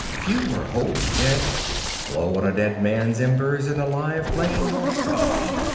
Few are wholly dead: Blow on a dead man's embers And a live flame will start.